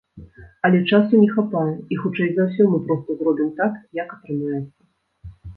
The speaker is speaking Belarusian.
Але часу не хапае, і, хутчэй за ўсё, мы проста зробім так, як атрымаецца.